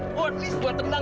gua tenang gua tenang